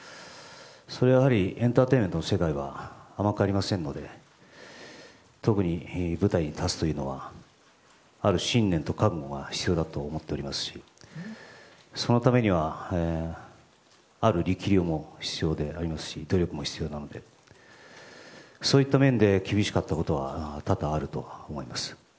それはやはりエンターテインメントの世界は甘くありませんので特に舞台に立つというのはある信念と覚悟が必要だと思っておりますしそのためには力量も必要でありますし努力も必要なのでそういった面で厳しかったことは多々あると思います。